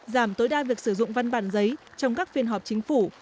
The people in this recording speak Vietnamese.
giảm tối đa việc sử dụng văn bản giấy trong các phiên họp chính phủ